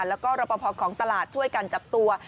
แล้วก็รับประพอของตลาดช่วยกันจับตัว